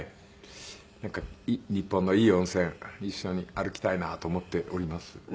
なんか日本のいい温泉一緒に歩きたいなと思っております。